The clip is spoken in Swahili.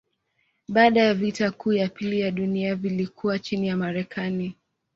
Baada ya vita kuu ya pili ya dunia vilikuwa chini ya Marekani.